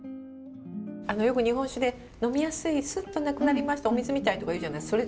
あのよく日本酒で呑みやすいスッとなくなりましたお水みたいとか言うじゃない。